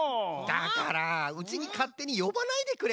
だからうちにかってによばないでくれる？